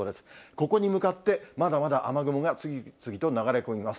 ここに向かって、まだまだ雨雲が次々と流れ込みます。